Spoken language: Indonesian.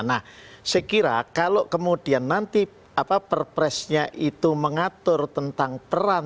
nah sekiranya kalau kemudian nanti perpresnya itu mengatur tentang peran tni